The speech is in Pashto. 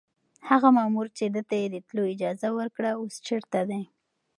هغه مامور چې ده ته يې د تلو اجازه ورکړه اوس چېرته دی؟